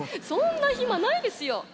そんな暇ないですよ！